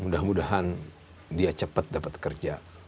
mudah mudahan dia cepat dapat kerja